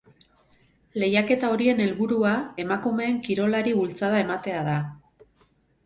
Lehiaketa horien helburua emakumeen kirolari bultzada ematea da.